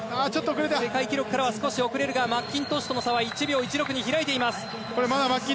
世界記録からは少し遅れるがマッキントッシュとの差は１秒１６に開いています。